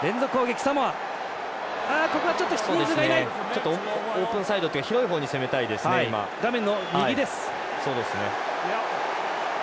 ちょっとオープンサイドというか広いほうに画面の右です。